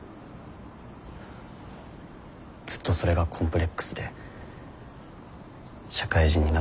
ずっとそれがコンプレックスで社会人になってダイエットして。